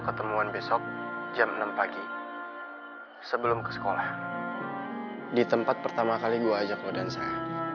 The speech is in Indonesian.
ketemuan besok jam enam pagi sebelum ke sekolah di tempat pertama kali gue ajak badan saya